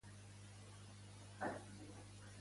Inclou-me un ítem a la llista de la compra.